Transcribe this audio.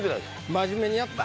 真面目にやった？